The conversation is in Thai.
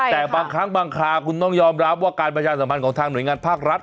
แต่บางครั้งบางคราคุณต้องยอมรับว่าการประชาสัมพันธ์ของทางหน่วยงานภาครัฐ